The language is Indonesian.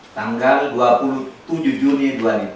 tanggal dua puluh tujuh juni dua ribu dua puluh